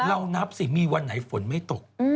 เรานับสิมีวันไหนฝนไม่ตก